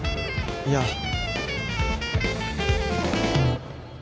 いや。